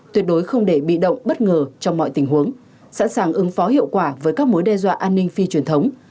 tuyệt đối không để bị động bất ngờ trong mọi tình huống sẵn sàng ứng phó hiệu quả với các mối đe dọa an ninh phi truyền thống